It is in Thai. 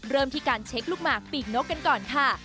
เริ่มที่การเช็คลูกหมากปีกนกกันก่อนค่ะ